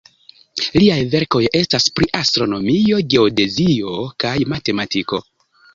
Liaj verkoj estas pri astronomio, geodezio kaj matematiko.